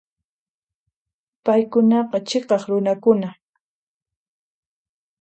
Paykunaqa chhiqaq runa kanku.